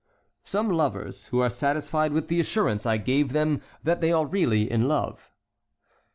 "Some lovers, who are satisfied with the assurance I gave them that they are really in love."